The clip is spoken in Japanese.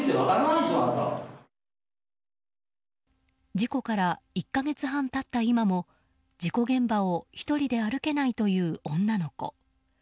事故から１か月半経った今も事故現場を１人で歩けないという女の子。